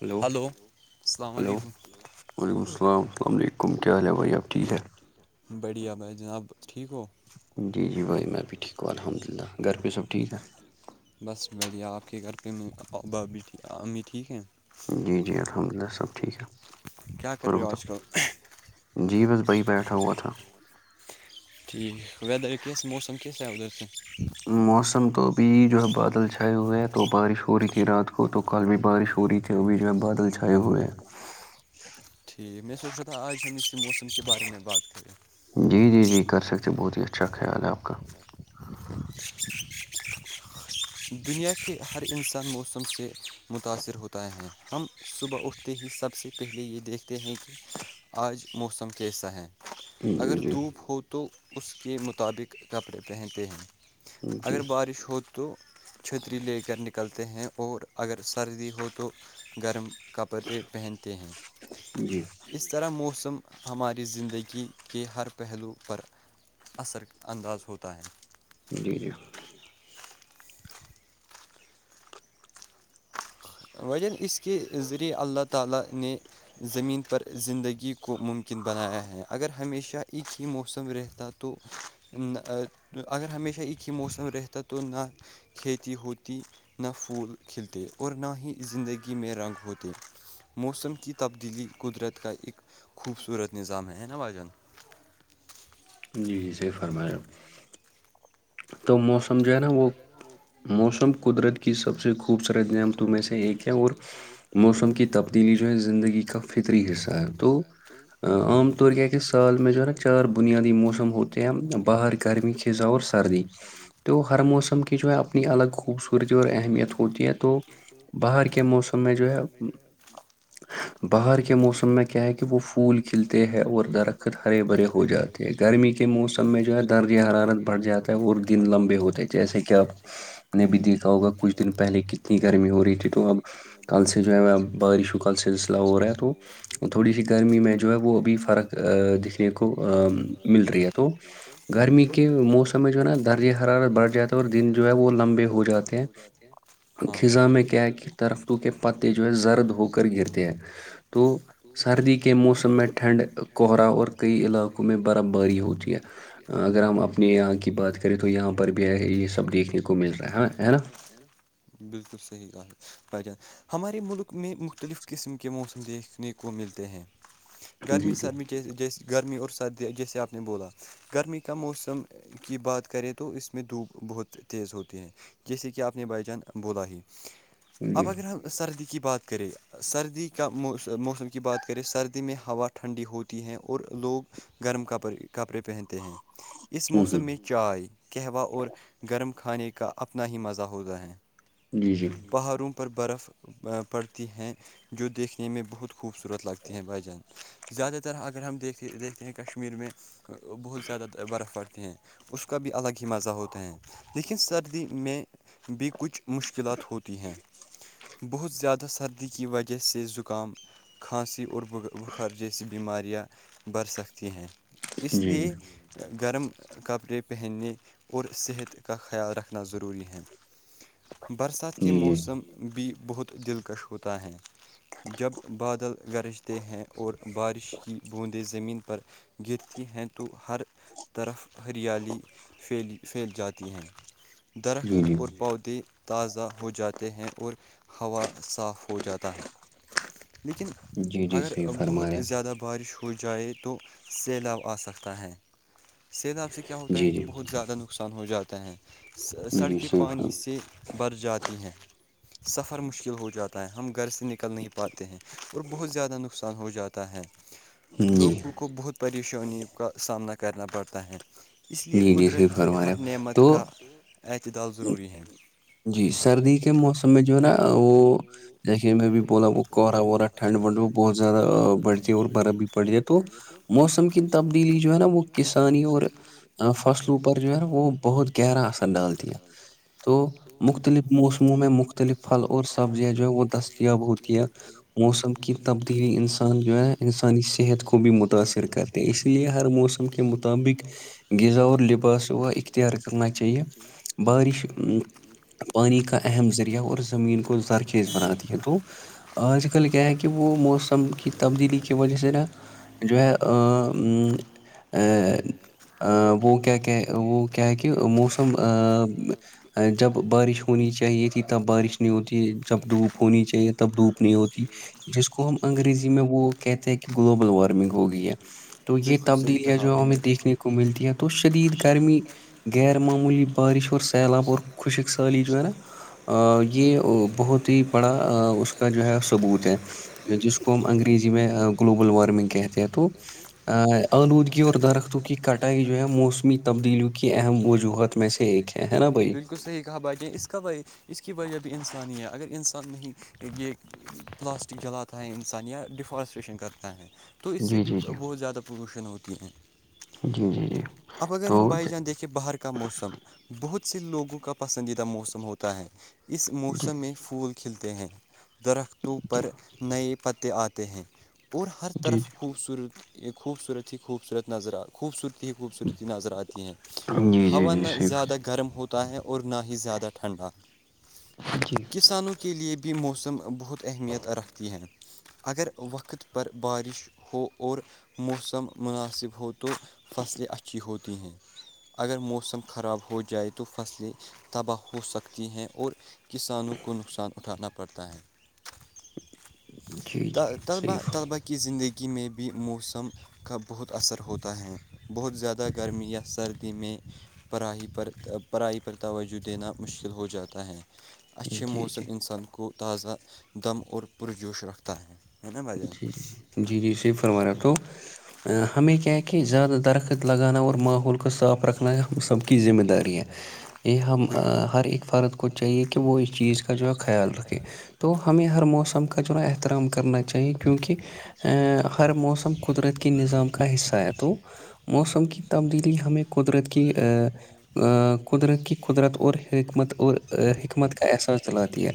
hello hello وعلیکم السلام السلام علیکم کیا حال بھ یاب ٹیک ہے بڑھیا بھائی جناب ٹھیک ہو جی جی بھائی میں بھی ٹھیک ہوں الحمد للہ گھر پہ سب ٹھیک ہے بس بھیا آپ کے گھر پہ میں باب بھی امی ٹھیک ہیں جی جی الحمد للہ سب ٹھیک ہے اور بتاؤ جی بس بائی بیٹھا ہوا تھا ٹھیک وییدر کس مسم کس ہےر سے موسم تو ابھی جو ہے بادل چھائے ہوئے ہیں تو بارش ہو رہی تھی رات کو تو کل بھی بارش ہو رہی تھی وہ بیچ میں بادل چائے ہوئے ٹھیک میں سوچا تھا آج ہم ن مسم کے بارے میں بات کرے جی جی جی کر سکتے بہت ہی اچھا خیال ہے آپ کا دنیا کے ہر انسان موسم سے متاثر ہوتا ہے ہم صبح اٹھتے ہی سب سے پہلے یہ دیکھتے ہیں کہ آج موسم کیسا ہے اگر دھوپ ہو تو اس کے مطابق کپڑے پہنتے ہیں اگر بارش ہوت تو چھتری لے کر نکلتے ہیں اور اگر سردی ہو تو گرم کا پر پہنتے ہیں اس طرح موسم ہماری زندگی کے ہر پہلو پر اثر انداز ہوتا ہے جی جی وجن اس کے ذریعے اللہ تعالی نے زمین پر زندگی کو ممکن بنایا ہے اگر ہمیشہ ایک ہی موسم رہتا تو اگر ہمیشہ اکی موسم ریحتہ تو نہ کھیتی ہوتی نہ پھول کھلتے اور نہ ہی زندگی میں رنگ ہوتے موسم کی تبدیلی قدرت کا ایک خوبصورت نظام ہے نا باجن جی سے فرمایا تو موسم جو ہے نا وہ موسم قدرتی کی سب سے خوبصورت نعامتوں میں سے ایک ہے اور موسم کی تبدیلی جو ہے زندگی کا فطری حصہ ہے تو عام طور کیا کہ سال میں جو ہے نا چار بنیادی موسم ہوتا بہر گرمی ک زس سردی تو ہر موسم کی جو ہے اپنی الگ خوبصورتی اور اہمیت ہوتی ہے تو باہر کے موسم میں جو ہے [unintelligible] باہر کے موسم میں کیا ہے کہ وہ پھول کھلتے ہیں اور درخت ہرے بھرے ہو جاتے تو گرمی کے موسم میں جو ہے درجۂ حرارت بڑھ جاتی ہے اور دن لمبے ہوتے ہیں جیسے کہ آپ نے بھی دیکھا ہوگا کچھ دن پہلے کتنی گرمی ہو رہی تھی تو اب کل سے جو ہے بارش ہو کل سےلسلہ ہو رہا ہے تو تھوڑی سی گرمی میں جو ہے وہ ابھی فرق دکھنے کو مل رہی ہے تو گرمی کے موسم میں جو ہے نا درجے حرارت بڑھ جاتے ہیں اور دن جو ہے وہ لمبے ہو جاتے ہیں ا خزاں میں کیا ہے کہ درختوں کے پتے جو ہے زرد ہو کر گرتے ہیں تو سردی کے موسم میں ٹھنڈ کوہرا اور کئی علاقوں میں برف باری ہوتی ہے اگر ہم اپنے یہاں کی بات کریں تو یہاں پر بھی ہے یہ سب دیکھنے کو مل رہا ہے نا ہے نا بالکل صحیح بجن ہمارے ملک میں مختلف قسم کے موسم دیکھنے کو ملتے ہیں گرمی سرمی جیسے گرمی اور سردی جیسے آپ نے بولا گرمی کا موسم کی بات کریں تو اس میں دھوپ بہت تیز ہوتی ہے جیسے کہ آپ نے بائی جان بولا ہی اب اگر ہم سردی کی بات کریں سردی کا موسم کی بات کریں سردی میں ہوا ٹھنڈی ہوتی ہے اور لوگ گرم کپڑے پہنتے ہیں اس موسم میں چائے قہوہ اور گرم کھانے کا اپنا ہی مزہ ہو ہوتا ہے پہاڑوں پر برف پڑتی ہے جو دیکھنے میں بہت خوبصورت لگتی ہیں بائی جان زیادہ تر اگر ہم دیکھے دیکھتے ہیں کشمیر میں بہت زیادہ برف پڑتی ہیں اس کا بھی الگ ہی مزہ ہوتا ہے لیکن سردی میں بھی کچھ مشکلات ہوتی ہیں بہت زیادہ سردی کی وجہ سے زکام کھانسی اور بخر جیسی بیماریاں بڑھ سکتی ہیں اس لیے گرم کپڑے پہننے اور صحت کا خیال رکھنا ضروری ہے برسات کے موسم بھی بہت دلکش ہوتا ہے جب بادل گرجتے ہیں اور بارش کی بوندیں زمین پر گرتی ہیں تو ہر طرف ہریالی پھیل جاتی ہیں درخت پودے تازہ ہو جاتے ہیں اور ہوا صاف ہو جاتا ہے لیکن اگر بہت زیادہ بارش ہو جائے تو سیلاب آ سکتا ہے سیلاب سے کیا ہوتا ہے کہ بہت زیادہ نقصان ہو جاتا ہے سڑکیں پانی سے بر جاتی ہیں سفر مشکل ہو جاتا ہے ہم گھر سے نکل نہیں پاتے ہیں اور بہت زیادہ نقصان ہو جاتا ہے لوگوں کو بہت پریشانیوں کا سامنا کرنا پڑتا ہے اس لیے قدرت کی ہر نعمت کا اعتدال ضروری ہے جی سردی کے موسم میں جو ہے نا وہ جیسے میں بھی بولا وہ کوہرا ورا ٹھنڈ وھنڈ وہ بہت زیادہ بڑھتی ہے اور برف بھی پڑتی ہے تو موسم کی تبدیلی جو ہے نا وہ کسانی اور فصلوں پر جو ہے وہ بہت گہرا اثر ڈال ہے تی ہے تو مختلف موسموں میں مختلف پھل اور سبزیاں جو ہیں وہ دستیاب ہوتی ہیں موسم کی تبدیلی انسان جو ہے انسانی صحت کو بھی متاأثر کر تو اسی لیے ہر موسم کے مطابق غذا اور لباس وا اختیار کرنا چاہیئے بارش پانی کا اہم ذریعہ اور زمین کو زرخیز بناتی ہے تو آج کل کیا ہے کہ وہ موسم کی تبدیلی کی وجہ سے نا جو ہے وہ کیا وہ کیا کہ موسٹ جب بارش ہونی چاہیے تھی تب بارش نہیں ہوتی جب دھوپ ہونی چاہیے تب دھوپ نہیں ہوتی جس کو ہم انگریزی میں وہ کہتے ہیں کہ گلوبل وارمنگ ہو گئی ہے تو یہ تبدیلیاں جو ہمیں دیکھنے کو ملتی ہے تو شدید گرمی غیر معمولی بارش اور سیلاب اور خوشک ساللی جو ہے نا یہ بہت ہی بڑا اس کا جو ہے ثبوت ہے جس کو ہم انگریزی میں گلوبل وارمنگ کہتے ہیں تو آلودگی اور درختوں کی کٹائی جو ہے موسمی تبدیلیوں کی اہم وجوہات میں سے ایک ہے کہ ہے نا بھائی صحیح کہا باتیں اس کا اس کی وجہ بھی انسان ہی ہے اگر انسان انسان نہیں یہ پلاسٹک جلاتا ہے انسان یا ڈیفارسٹیریشن کرتا ہے تو اس سے بھی بہت زیادہ پولوشن ہوتی ہیں اب اگر ہم بھائی جان دیکھ کہ باہر کا موسم بہت سے لوگوں کا پسندیدہ موسم ہوتا ہے اس موسم میں پھول کھلتے ہیں درختوں پر نئے پتے آتے ہیں اور ہر طرف خوبصورت خوبصورت ہی خوبصورت نظرہ خوبصورت خوبصورتی نظر آتی ہے ہوا نہ زیادہ گرم ہوتا ہے اور نہ ہی زیادہ ٹھنڈا کسانوں کے لیے بھی موسم بہت اہمیت رکھتی ہیں اگر وقت پر بارش ہو اور موسم مناسب ہو تو فصلیں اچھی ہوتی ہیں اگر موسم خراب ہو جائے تو فصلیں تباہ ہو سکتی ہیں اور کسانوں کو نقصان اٹھانا پڑتا ہے طلبا طلبا کی زندگی میں بھی موسم کا بہت اثر ہوتا ہے بہت زیادہ گرمی یا سردی میں پرا ہی پر پرڑائی پر توجہ دینا مشکل ہو جاتا ہے اچھے موسم انسان کو تازہ دم اور پرجوش رکھتا ہے ہے نا بھائی جان جی جی صحیح فرما رہے ہیں آپ تو ہمیں کیا ہے کہ زیادہ درخت لگانا اور ماحول کو صاف رکھنا ہم سب کی ذمہ داری ہے یہ ہم ہر ایک فرد کو کو چاہیے کہ وہ اس چیز کا جو ہے خیال رکھے تو ہمیں ہر موسم کا جو ہے نا احترام کرنا چاہیے کیونکہ ہر موسم قدرت کے نظام کا حصہ ہے تو موسم کی تبدیلی ہمیں قدرت کی قدرت کی قدرت اور حکمت اور حکمت کا احساس دلاتی ہے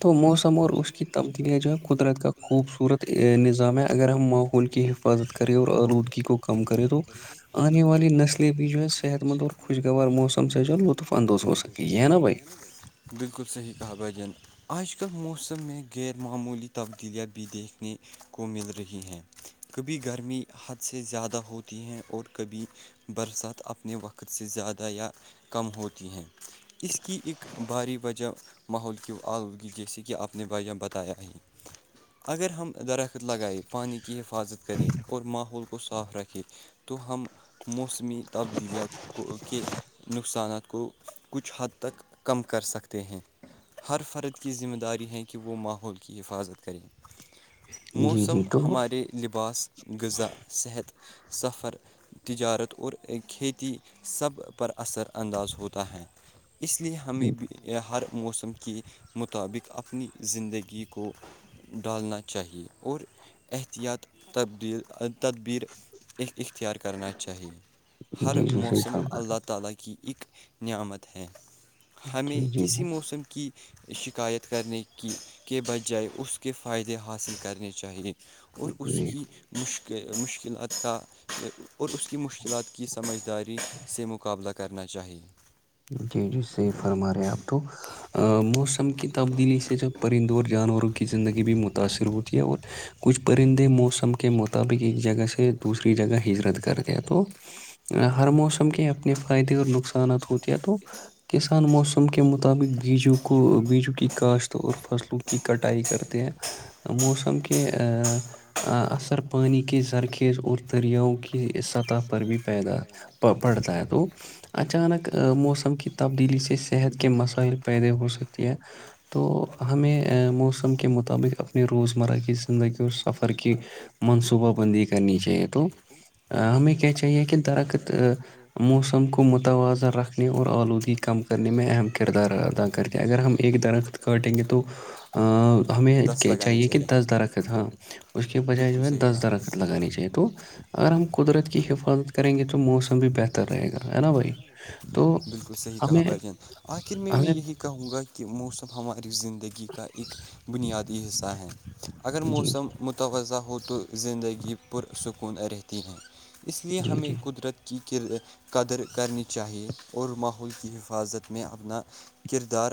تو موسم اور اس کی تبدیلیاں جو ہے قدرت کا خوبصورت نظام ہے اگر ہم ماحول کی حفاظت کریں اور آلودگی کو کم کریں تو آنے والی نسلیں بھی جو ہے صحت مند اور خوشگوار موسم سے جو ہے لطف اندوز ہو بالکل صحیح کہا بھائی جان آج کل موسم میں غیر معمولی تبدیلیاں بھی دیکھنے کو مل رہی ہیں کبھی گرمی حد سے زیادہ ہوتی ہے اور کبھی برسات اپنے وقت سے زیادہ یا کم ہوتی ہیں اس کی ایک بھاری وجہ ماحول کی آلودگی جیسے کہ آپ نے بجہ بتایا ہی اگر ہم درخت لگائیے پانی کی حفاظت کرے اور ماحول کو صاف رکھے تو ہم موسم می تبدیلییا کو کہ نقصانات کو کچھ حد تک کم کر سکتے ہیں ہر فرد کی ذمہ داری ہے کہ وہ ماحول کی حفاظت کریں موسم ہمارے لباس غذا صحت سفر تجارت اور کھیتی سب پر اثر انداز ہوتا ہے اس لیے ہمیں بھی ہر موسم کے مطابق اپنی زندگی کو ڈالنا چاہیے اور احتیاط تبدیل تدیر ا اختیار کرنا چاہیے ہر موسم اللہ تعالی کی اک نعمت ہے ہمیں کسی موسم کی شکایت کرنے کی کے بجائے اس کے فائدے حاصل کرنے چاہیے اور اس کی مشک مشکل اور اس کی مشکلات کی سمجھداری سے مقابلہ کرنا چاہیے جی جی صحیح فرما رہے ہیں آپ تو موسم کی تبدیلی سے جب پرندوں اور جانوروں کی زندگی بھی متاثر ہوتی ہے اور کچھ پرندے موسم کے مطابق ایک جگہ سے دوسری جگہ ہجرت کرتے ہیں تو ہر موسم کے اپنے فائدے اور نقصانات ہوتے تو کسان موسم کے مطابق بیجو کو بیجو کی کاشت اور فصلوں کی کٹائی کرتے ہیں موسم کے ا اثر پانی کے زرخیز اور دریاؤں کی سطح پر بھی پیدا پ پڑتا ہے تو اچانک موسم کی تبدیلی سے صحت کے مسائل پیدے ہو سکتے ہیں تو ہمیں موسم کے مطابق اپنے روزمرہ کی زندگی اور سفر کی منصوبہ بندی کرنی چاہیے تو ہمیں کیا چاہیے کہ درخت موسم کو متوازن رکھ رکھ اور آلودگی کم کرنے میں اہم کردار ادا کرتے اگر ہم ایک درخت کاٹیں گے تو ہمیں چاہیے کہ دس درخت ہاں اس کے بجائے جو ہے دس درخت لگانی چاہیے تو اگر ہم قدرت کی حفاظت کریں گے تو موسم بھی بہتر رہے گا ہے نا بھائی بالکل صحیح کہا بھائی جان آخر میں میں یہی کہوں گا کہ موسم ہماری زندگی کا ایک بنیادی حصہ ہیں اگر موسم متوضہ ہو تو زندگی پر سکون رہتی ہیں اس لیے ہمیں قدرت کی قدر کرنی چاہیے اور ماحول کی حفاظت میں اپنا کردار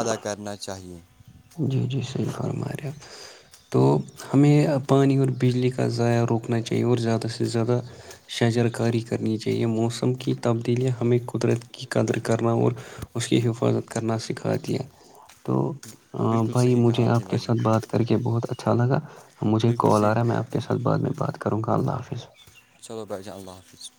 ادا کرنا چاہیے جی جی صحیح فرما رہے تو ہمیں پانی اور بجلی کا ضائع روکنا چاہیے اور زیادہ سے زیادہ شجر کاری کرنی چاہیے موسم کی تبدیلیاں ہمیں قدرت کی قدر کرنا اور اس کی حفاظت کرنا سکھات دیا تو بھائی مجھے آپ کے ساتھ بات کر کے بہت اچھا لگا مجھے کال آ رہا ہے میں آپ کے ساتھ بعد میں بات کروں گا اللہ حافظ چلو بھ جان اللہ حافظ